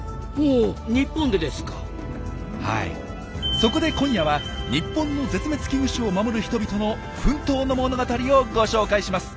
そこで今夜は日本の絶滅危惧種を守る人々の奮闘の物語をご紹介します！